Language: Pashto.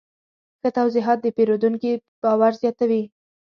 ښه توضیحات د پیرودونکي باور زیاتوي.